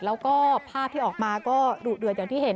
แล้วก็ภาพที่ออกมาก็ดุเดือดอย่างที่เห็น